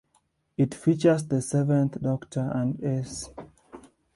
It features the Seventh Doctor and Ace.